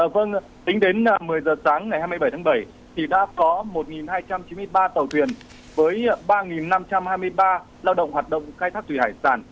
vâng tính đến một mươi giờ sáng ngày hai mươi bảy tháng bảy thì đã có một hai trăm chín mươi ba tàu thuyền với ba năm trăm hai mươi ba lao động hoạt động khai thác thủy hải sản